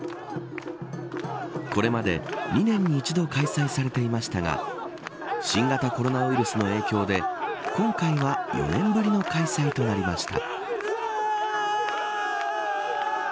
これまで２年に１度開催されていましたが新型コロナウイルスの影響で今回は４年ぶりの開催となりました。